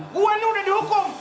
gua nih udah dihukum